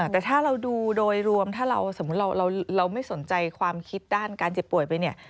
แต่ถ้าเราดูโดยรวมถ้าเราสมมุติเราไม่สนใจความคิดด้านการเจ็บป่วยไปเนี่ย